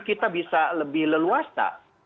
kita bisa lebih leluasa